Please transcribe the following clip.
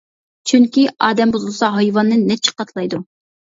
چۈنكى ئادەم بۇزۇلسا ھايۋاننى نەچچە قاتلايدۇ.